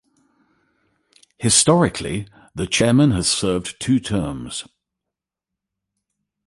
Historically, the Chairman has served two terms.